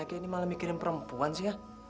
kayaknya ini malah mikirin perempuan sih ya